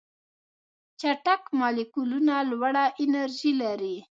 چټک مالیکولونه لوړه انرژي لري.